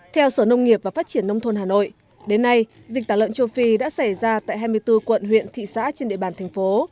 theo sở nông nghiệp và phát triển nông thôn hà nội đến nay dịch tả lợn châu phi đã xảy ra tại hai mươi bốn quận huyện thị xã trên địa bàn thành phố